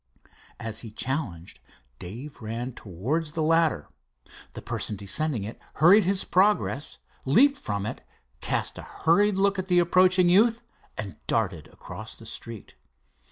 As he challenged, Dave ran towards the ladder. The person descending it hurried his progress, leaped from it, cast a hurried look at the approaching youth, and darted across the street.